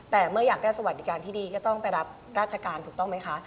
แต่เมื่ออยากได้สวัสดิการที่ดีก็ต้องไปรับราชการถูกต้องไหมคะ